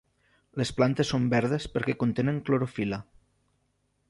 Les plantes són verdes perquè contenen clorofil·la.